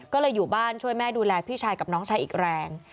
ก็เลยอยู่บ้านช่วยแม่ดูแลพี่ชายกับน้องชายอีกแรง